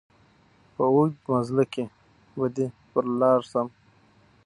په اوږد مزله کي به دي پر لار سم